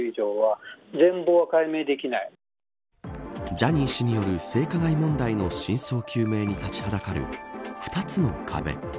ジャニー氏による性加害問題の真相究明に立ちはだかる２つの壁。